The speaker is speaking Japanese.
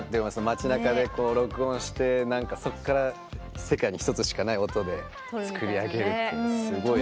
街なかでこう録音してそこから世界に１つしかない音で作り上げるってすごい。